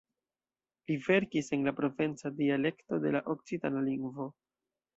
Li verkis en la provenca dialekto de la okcitana lingvo.